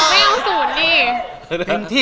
ไม่ต้องสูดดิ